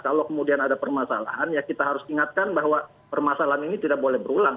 kalau kemudian ada permasalahan ya kita harus ingatkan bahwa permasalahan ini tidak boleh berulang